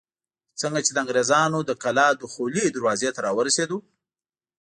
څنګه چې د انګرېزانو د کلا دخولي دروازې ته راورسېدو.